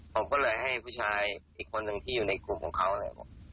ผมก็เลยให้ผู้ชายอีกคนหนึ่งที่อยู่ในกลุ่มของเขาเนี่ย